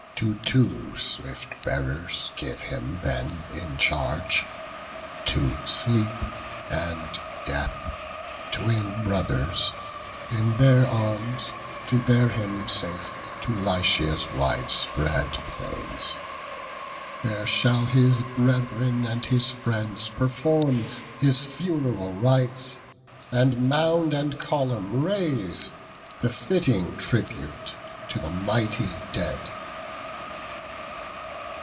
To two swift bearers give him then in charge, To Sleep and Death, twin brothers, in their arms To bear him safe to Lycia's wide spread plains: There shall his brethren and his friends perform His fun'ral rites, and mound and column raise, The fitting tribute to the mighty dead."